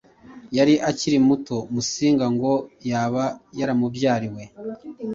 yari akiri muto. Musinga ngo yaba yaramubyariwe